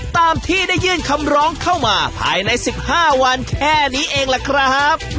ตามที่ได้ยื่นคำร้องเข้ามาภายใน๑๕วันแค่นี้เองล่ะครับ